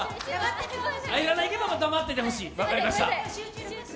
入らないけど黙っててほしい、分かりました。